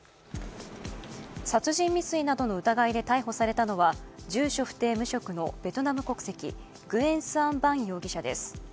殺人未遂などの疑いで逮捕されたのは、住所不定・無職のベトナム国籍グエン・スアン・バン容疑者です。